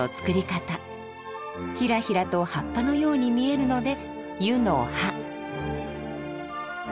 ひらひらと葉っぱのように見えるので「湯の葉」。